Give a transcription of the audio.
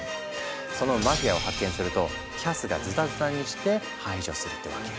そのマフィアを発見するとキャスがズタズタにして排除するってわけ。